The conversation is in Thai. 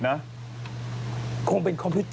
ไหนคลิป